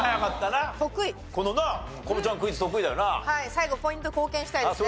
最後ポイント貢献したいですね。